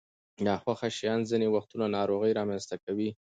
ناخوښه شیان ځینې وختونه ناروغۍ رامنځته کوي.